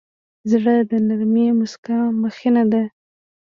زړه د نرمې موسکا مخینه ده.